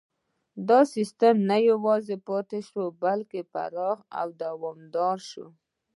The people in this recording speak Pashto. دا سیستم نه یوازې پاتې شو بلکې پراخ او دوامداره شو.